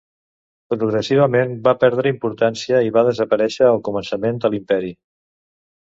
Progressivament va perdre importància i va desaparèixer al començament de l'Imperi.